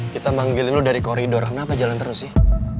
kita manggilin lo dari koridor kenapa jalan terus sih